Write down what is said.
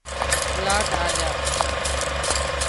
پلاٽ آليا